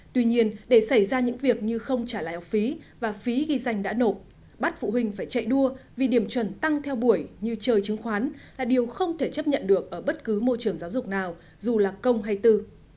tuy nhiên để xảy ra những việc như không trả lại học phí và phí ghi danh đã nộp bắt phụ huynh phải chạy đua vì điểm chuẩn tăng theo buổi như chơi chứng khoán là điều không thể chấp nhận được ở bất cứ môi trường giáo dục nào dù là công hay tư